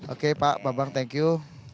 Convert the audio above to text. oke pak bambang thank you